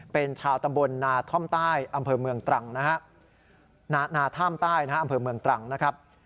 เป็นชาวตำบลนาท่ำใต้อำเภอเมืองตรังนะครับ